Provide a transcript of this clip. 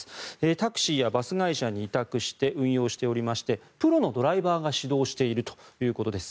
タクシーやバス会社に委託して運用しておりましてプロのドライバーが指導しているということです。